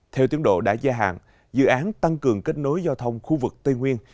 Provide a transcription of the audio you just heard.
theo tiến độ đã gia hạn dự án tăng cường kết nối giao thông khu vực tây nguyên